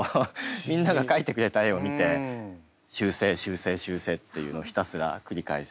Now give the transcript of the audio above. みんなが描いてくれた絵を見て修正修正修正っていうのをひたすら繰り返すっていう仕事です。